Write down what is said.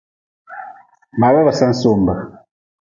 Baaba ba sen sumbe.